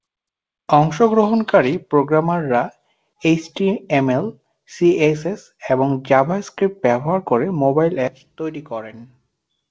অংশগ্রহণকারী প্রোগ্রামাররা HTML, CSS এবং জাভাস্ক্রিপ্ট ব্যবহার করে মোবাইল অ্যাপস তৈরি করেন।